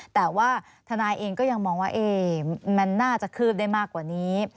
แต่ว่าทนายเองก็ยังมองว่ามันน่าจะคืบได้มากกว่านี้